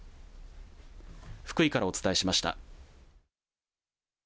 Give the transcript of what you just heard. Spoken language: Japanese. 福井からお伝えしました。